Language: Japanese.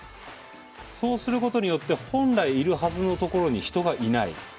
そうすることによって本来いるはずの所に人がいない。